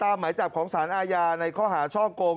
หมายจับของสารอาญาในข้อหาช่อกง